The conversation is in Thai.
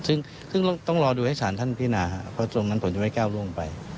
ซึ่งต้องรอดูให้สารท่านพินาครับเพราะตรงนั้นผมจะไม่ก้าวล่วงไป